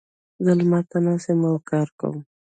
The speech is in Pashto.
زه لمر ته ناست یم او کار کوم.